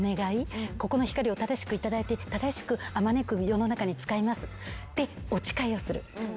ここの光を正しく頂いて正しくあまねく世の中に使いますってお誓いをする。